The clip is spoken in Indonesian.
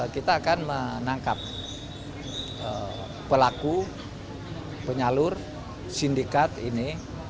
kita akan menangkap pelaku penyalur sindikat ini